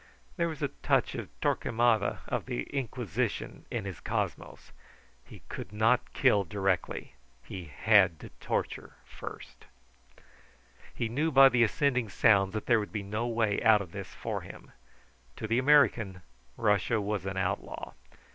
There was a touch of Torquemada of the Inquisition in his cosmos. He could not kill directly; he had to torture first. He knew by the ascending sounds that there would be no way out of this for him. To the American, Russia was an outlaw.